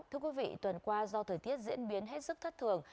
thưa quý vị tuần qua do thời tiết diễn biến hết sức thất thường